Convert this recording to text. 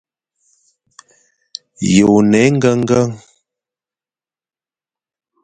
Ye one engengen?